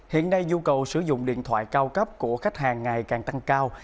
hiện nay dù cầu sử dụng điện thoại cao cấp của khách hàng ngày càng tăng cao